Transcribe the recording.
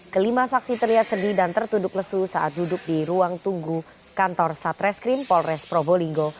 kelima saksi terlihat sedih dan tertuduk lesu saat duduk di ruang tunggu kantor satreskrim polres probolinggo